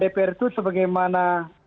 dpr itu sebagaimana